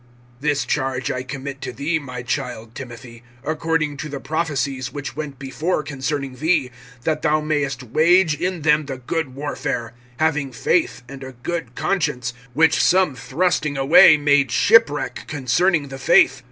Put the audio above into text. (18)This charge I commit to thee, my child Timothy, according to the prophecies which went before concerning thee, that thou mayest wage in them the good warfare; (19)having faith, and a good conscience, which some thrusting away made shipwreck concerning the faith.